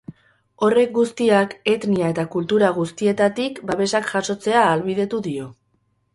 Horrek guztiak etnia eta kultura guztietatik babesak jasotzea ahalbidetu dio.